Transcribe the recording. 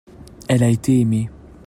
elle a été aimée.